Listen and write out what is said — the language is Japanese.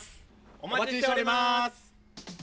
お待ちしております。